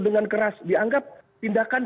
dengan keras dianggap tindakan